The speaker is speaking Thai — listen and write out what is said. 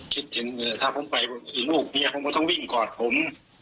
คิดถึงถ้าผมไปก็คือลูกเมียผมก็ต้องวิ่งกอดผม